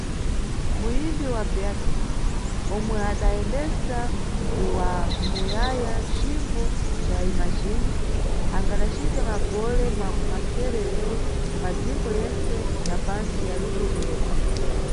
Muyimbi wa Beatles, omwe adayendesa wa muyaya cimbo ca "Imagine", angadacita magole makumasere lero, madziko yentse ya pantsi yalibe kuyebwa.